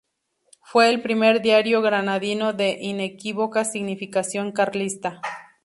Fue el primer diario granadino de inequívoca significación carlista.